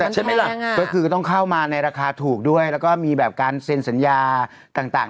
จริงไม๊หรือยัง